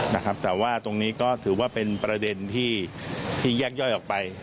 นะครับแต่ว่าตรงนี้ก็ถือว่าเป็นประเด็นที่ที่แยกย่อยออกไป